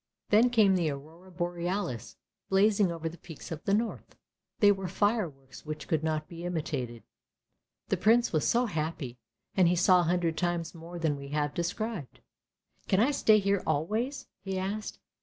Then came the Aurora Borealis blazing over the peaks of the north; they were fireworks which could not be imitated. The Prince was so happy, and he saw a hundred times more than we have described. " Can I stay here always? " he asked.